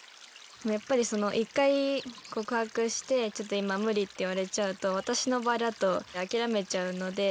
やっぱり一回告白して「ちょっと今無理」って言われちゃうと私の場合だと諦めちゃうので。